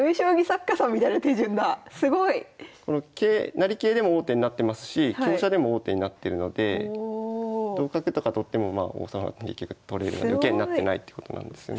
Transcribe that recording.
成桂でも王手になってますし香車でも王手になってるので同角とか取ってもまあ王様結局取れるので受けになってないってことなんですよね。